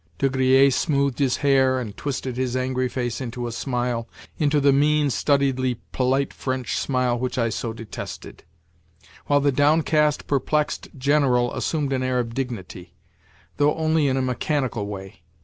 De Griers smoothed his hair, and twisted his angry face into a smile—into the mean, studiedly polite French smile which I so detested; while the downcast, perplexed General assumed an air of dignity—though only in a mechanical way.